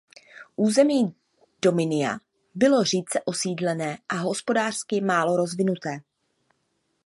Území dominia bylo řídce osídlené a hospodářsky málo rozvinuté.